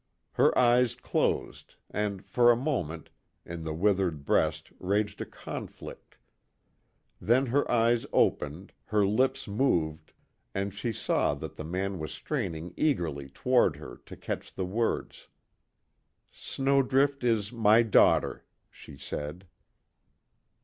Her eyes closed, and for a moment, in the withered breast raged a conflict. Then her eyes opened, her lips moved, and she saw that the man was straining eagerly toward her to catch the words: "Snowdrift is my daughter," she said.